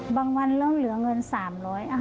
บางวันเริ่มเหลือเงินสามร้อย